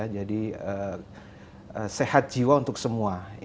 jadi sehat jiwa untuk semua